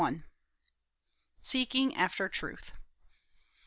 SEEKING AFTER TRUTH.